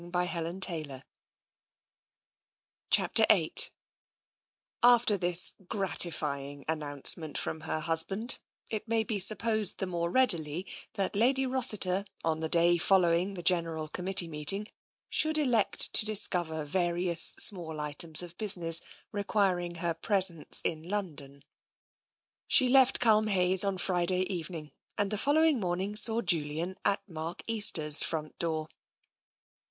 d. ^ v 1„ ^ l 4\^'^"2^ VIII After this gratifying announcement from her hus band, it may be supposed the more readily that Lady Rossiter, on the day following the General Committee meeting, should elect to discover various small items of business requiring her presence in Lx)ndon. She left Culmhayes on Friday evening, and the fol lowing morning saw Julian at Mark Easter's front door.